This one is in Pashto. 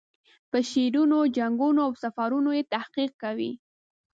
په شعرونو، جنګونو او سفرونو یې تحقیق کوي.